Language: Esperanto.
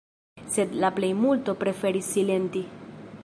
Sed la plejmulto preferis silenti.